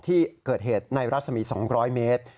ที่เกิดเหตุในรัศมี๒๐๐เมตร